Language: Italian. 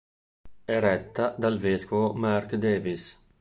È retta dal vescovo Mark Davies.